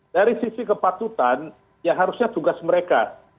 dari sisi kepatutan ya harusnya tugas mereka